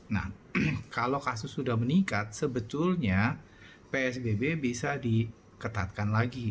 nah kalau kasus sudah meningkat sebetulnya psbb bisa diketatkan lagi